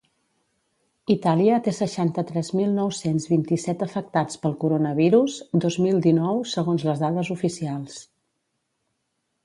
Itàlia té seixanta-tres mil nou-cents vint-i-set afectats pel coronavirus dos mil dinou, segons les dades oficials.